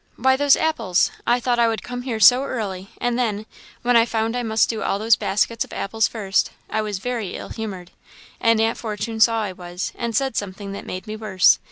"Why, those apples! I thought I would come here so early, and then, when I found I must do all those baskets of apples first, I was very ill humoured; and Aunt Fortune saw I was, and said something that made me worse.